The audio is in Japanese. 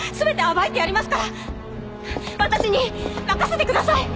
私に任せてください！